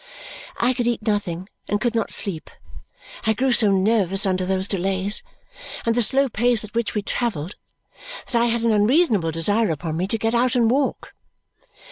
I could eat nothing and could not sleep, and I grew so nervous under those delays and the slow pace at which we travelled that I had an unreasonable desire upon me to get out and walk.